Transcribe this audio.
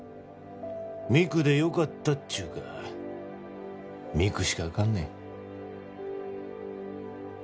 美久でよかったっちゅうか美久しかあかんねん。